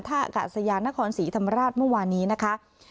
อากาศยานนครศรีธรรมราชเมื่อวานนี้นะคะ